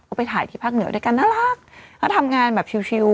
ก็ไปถ่ายที่ภาคเหนือด้วยกันน่ารักแล้วทำงานแบบชิว